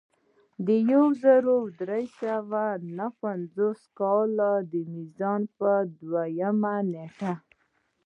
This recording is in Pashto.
د یو زر درې سوه نهه پنځوس کال د میزان پر دویمه نېټه.